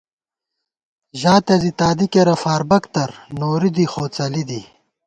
ژاتہ زی تادی کېرہ فاربَک تر، نوری دی خوڅلی دی